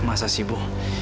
masa sih bu